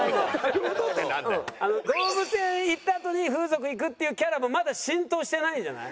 動物園行ったあとに風俗行くっていうキャラもまだ浸透してないんじゃない？